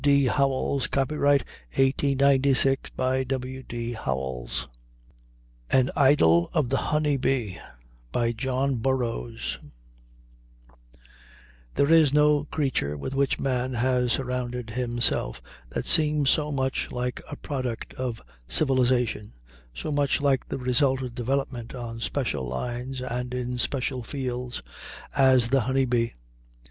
D. Howells. Copyright, 1896, by W. D. Howells.] AN IDYL OF THE HONEY BEE JOHN BURROUGHS There is no creature with which man has surrounded himself that seems so much like a product of civilization, so much like the result of development on special lines and in special fields, as the honey bee.